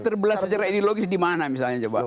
terbelah secara ideologis dimana misalnya coba